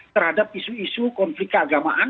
terhadap isu isu konflik keagamaan